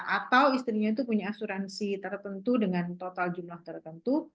atau istrinya itu punya asuransi tertentu dengan total jumlah tertentu